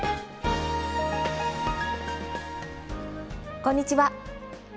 こんにちは。